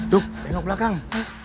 duk tengok belakang